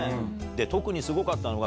特にすごかったのが。